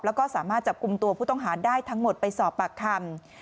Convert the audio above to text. แล้วก็สามารถจับกลุ่มตัวผู้ต้องหาได้ทั้งหมดไปสอบปากคำ